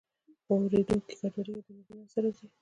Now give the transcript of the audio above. په اوریدو کې ګډوډي یا بې نظمي منځ ته راځي.